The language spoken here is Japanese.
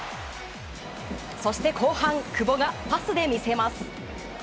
そして後半、久保がパスで見せます。